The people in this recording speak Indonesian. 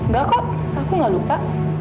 bel kok aku gak lupa